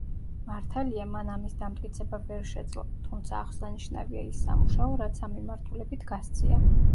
მართალია, მან ამის დამტკიცება ვერ შეძლო, თუმცა, აღსანიშნავია ის სამუშაო, რაც ამ მიმართულებით გასწია.